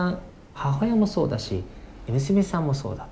母親もそうだし娘さんもそうだと。